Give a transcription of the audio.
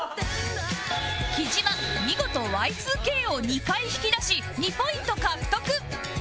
貴島見事「Ｙ２Ｋ」を２回引き出し２ポイント獲得